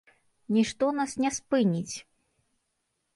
Нішто нас не спыніць!